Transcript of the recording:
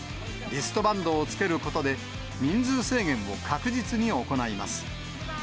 リストバンドをつけることで、人数制限を確実に行います。